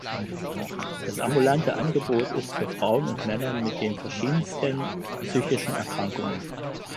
Das ambulante Angebot ist für Frauen und Männer mit den verschiedensten psychischen Erkrankungen.